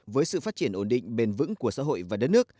với sự phát triển ổn định bền vững của xã hội và đất nước